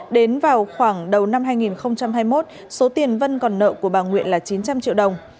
đến vào khoảng đầu năm hai nghìn hai mươi một số tiền vân còn nợ của bà nguyễn là chín trăm linh triệu đồng